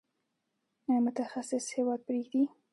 آیا متخصصین هیواد پریږدي؟